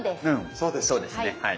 そうですねはい。